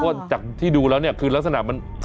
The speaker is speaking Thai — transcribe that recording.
เพราะจากที่ดูแล้วคือลักษณะมัน